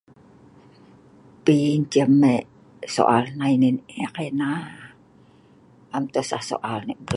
Pii cem neh soal hnai ne ek Ina. Am tosah soal nai breu.